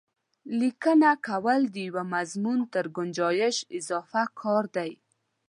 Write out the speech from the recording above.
لیکنه کول د یوه مضمون تر ګنجایش اضافه کار دی.